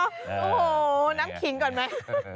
โอ้โหน้ำขิงก่อนไหม